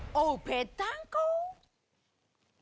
ぺったんこ。